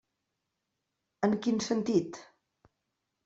En quin sentit?